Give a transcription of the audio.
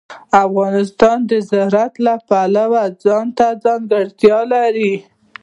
افغانستان د زراعت د پلوه ځانته ځانګړتیا لري.